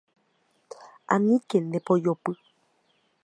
Aníke ndepojopy.